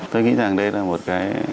tôi nghĩ rằng đây là một cái